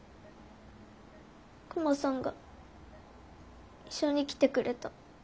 クマさんが一緒に来てくれた。